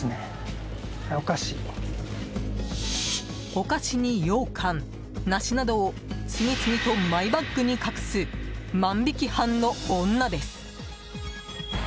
お菓子にようかん、梨などを次々とマイバッグに隠す万引き犯の女です。